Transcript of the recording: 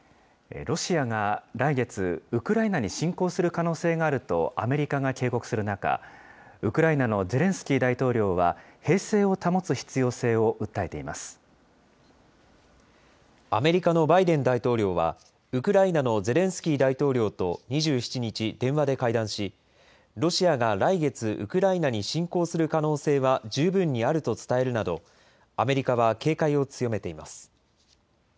ロシアが来月、ウクライナに侵攻する可能性があるとアメリカが警告する中、ウクライナのゼレンスキー大統領は、アメリカのバイデン大統領は、ウクライナのゼレンスキー大統領と２７日、電話で会談し、ロシアが来月、ウクライナに侵攻する可能性は十分にあると伝えるなど、アメリカは警戒を強めています。